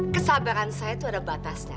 kesabaran saya itu ada batasnya